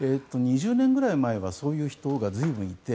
２０年ぐらい前はそういう人がずいぶんいて。